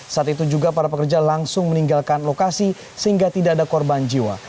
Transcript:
saat itu juga para pekerja langsung meninggalkan lokasi sehingga tidak ada korban jiwa